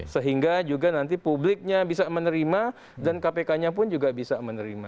sehingga juga nanti publiknya bisa menerima dan kpk nya pun juga bisa menerima